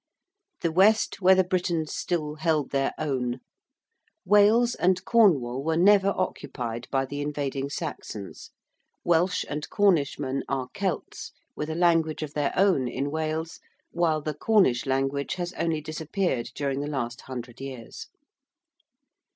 ~The West where the Britons still held their own~: Wales and Cornwall were never occupied by the invading Saxons: Welsh and Cornishmen are Celts, with a language of their own in Wales, while the Cornish language has only disappeared during the last hundred years.